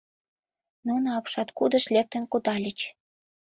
Нуно апшаткудыш лектын кудальыч.